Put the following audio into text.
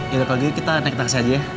yaudah kalo gitu kita naik taksi aja ya